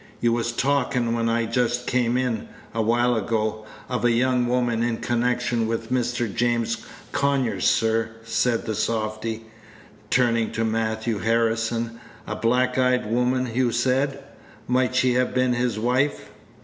"You was talkin', when I just came in, a while ago, of a young woman in connection with Mr. James Conyers, sir," said the softy, turning to Matthew Harrison; "a black eyed woman, you said; might she have been his wife?"